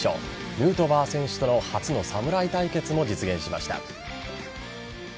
ヌートバー選手との初の侍対決も実現しました。